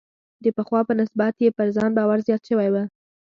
د پخوا په نسبت یې پر ځان باور زیات شوی و.